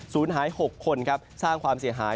หาย๖คนครับสร้างความเสียหาย